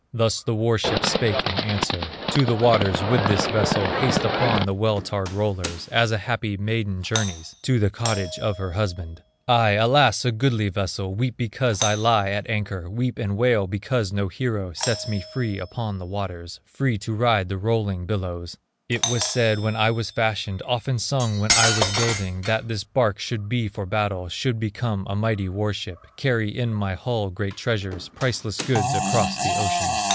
Thus the war ship spake in answer: "To the waters would this vessel Haste upon the well tarred rollers, As a happy maiden journeys To the cottage of her husband. I, alas! a goodly vessel, Weep because I lie at anchor, Weep and wail because no hero Sets me free upon the waters, Free to ride the rolling billows. It was said when I was fashioned, Often sung when I was building, That this bark should be for battle, Should become a mighty war ship, Carry in my hull great treasures, Priceless goods across the ocean.